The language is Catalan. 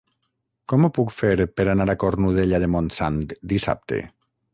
Com ho puc fer per anar a Cornudella de Montsant dissabte?